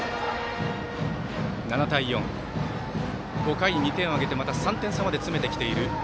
７対４、５回に２点を挙げてまた３点差まで詰めてきている南